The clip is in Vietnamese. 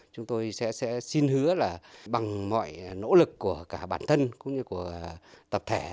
chúng tôi sẽ xin hứa là bằng mọi nỗ lực của cả bản thân cũng như của tập thể